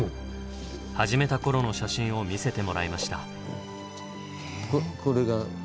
始めた頃の写真を見せてもらいました。